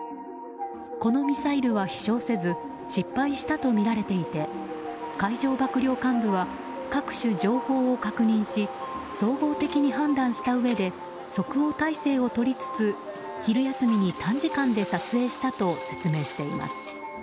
このミサイルは飛翔せず失敗したとみられていて海上幕僚監部は各種情報を確認し総合的に判断したうえで即応体制をとりつつ昼休みに短時間で撮影したと説明しています。